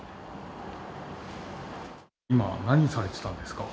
今、何されてたんですか？